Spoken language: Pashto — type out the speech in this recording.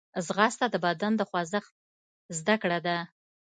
ځغاسته د بدن د خوځښت زدهکړه ده